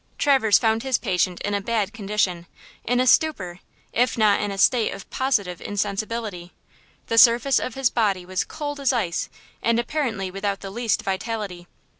Traverse found his patient in a bad condition–in a stupor, if not in a state of positive insensibility. The surface of his body was cold as ice, and apparently without the least vitality.